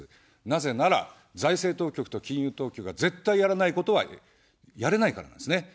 なぜなら、財政当局と金融当局が絶対やらないことはやれないからなんですね。